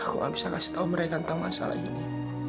aku bisa kasih tahu mereka tentang masalah ini